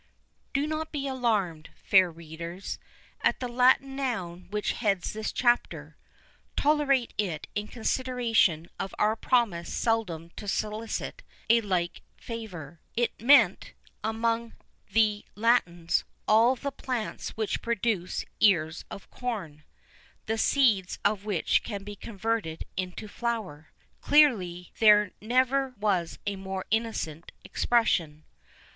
Do not be alarmed, fair readers, at the Latin noun which heads this chapter: tolerate it in consideration of our promise seldom to solicit a like favour. It meant, among the Latins, all the plants which produce ears of corn,[V 1] the seeds of which can be converted into flour.[V 2] Clearly there never was a more innocent expression.